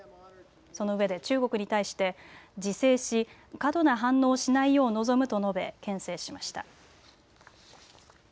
そのうえで中国に対して自制し過度な反応をしないよう望むと述べけん制しました。